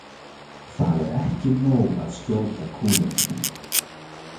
Það er ekki nóg að skjóta kúlunni